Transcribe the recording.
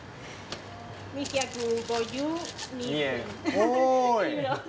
おい！